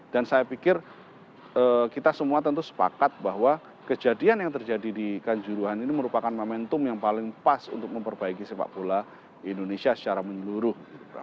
dan saya pikir kita semua tentu sepakat bahwa kejadian yang terjadi di kanjuruhan ini merupakan momentum yang paling pas untuk memperbaiki sepak bola di indonesia secara menyeluruh